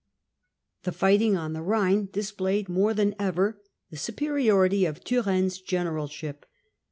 The fighting on the Rhine displayed more than ever the superiority of Turenne's generalship.